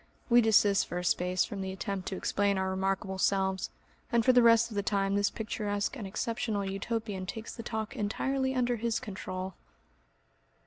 We desist for a space from the attempt to explain our remarkable selves, and for the rest of the time this picturesque and exceptional Utopian takes the talk entirely under his control....